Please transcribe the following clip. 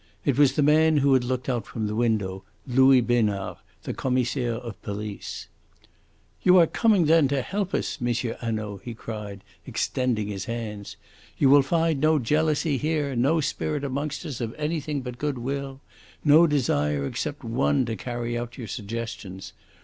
It was the man who had looked out from the window, Louis Besnard, the Commissaire of Police. "You are coming, then, to help us, M. Hanaud!" he cried, extending his hands. "You will find no jealousy here; no spirit amongst us of anything but good will; no desire except one to carry out your suggestions.